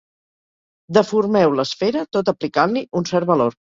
Deformeu l'esfera tot aplicant-li un cert valor.